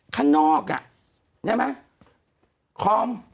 ข้างนอกน่ะแน่ไหม